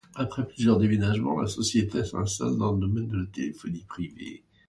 Après plusieurs déménagements, la société s'installe dans le domaine de la téléphonie privée.